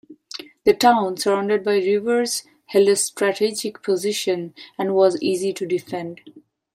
The town, surrounded by rivers, held a strategic position and was easy to defend.